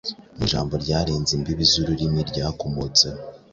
Ni ijambo ryarenze imbibi z’ururimi ryakomotsemo